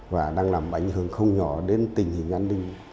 và đang làm ảnh hưởng không nhỏ đến tình hình an ninh